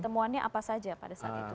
temuannya apa saja pada saat itu